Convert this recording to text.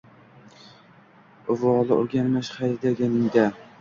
Uvoli urganmish xaydaganida